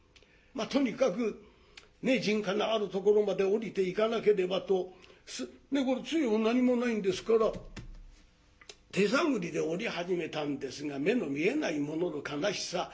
とにかくねっ人家のあるところまで下りていかなければと杖も何もないんですから手探りで下り始めたんですが目の見えない者の悲しさ。